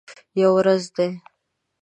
یوه ورځ دي